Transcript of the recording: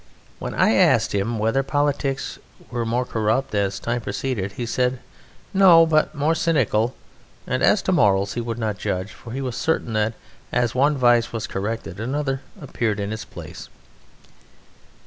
When I asked him whether politics were more corrupt as time proceeded, he said No, but more cynical; and as to morals he would not judge, for he was certain that as one vice was corrected another appeared in its place.